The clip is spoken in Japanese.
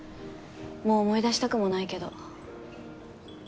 もう思い出したくもないけど。